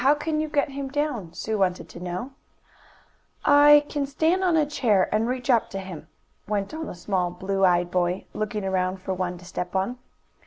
"How can you get him down?" Sue wanted to know. "I I can stand on a chair and reach up to him," went on the small, blue eyed boy, looking around for one to step on.